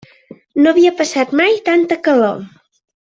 No havia passat mai tanta calor.